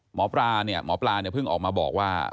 หมอปลาเนี่ยหมอปลาเนี่ยเพิ่งออกมาบอกว่า